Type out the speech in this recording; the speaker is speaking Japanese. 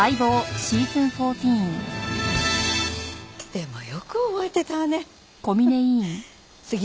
でもよく覚えてたわねフフッ。